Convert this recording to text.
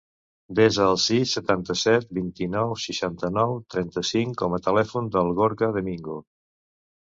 Desa el sis, setanta-set, vint-i-nou, seixanta-nou, trenta-cinc com a telèfon del Gorka De Mingo.